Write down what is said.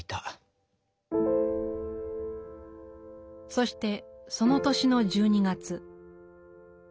そしてその年の１２月。